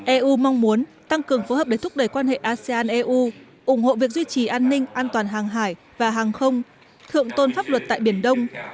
eu mong muốn tăng cường phối hợp để thúc đẩy quan hệ asean eu ủng hộ việc duy trì an ninh an toàn hàng hải và hàng không thượng tôn pháp luật tại biển đông